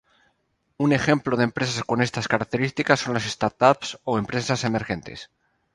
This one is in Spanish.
Un ejemplo de empresas con estas características son las startups o empresas emergentes.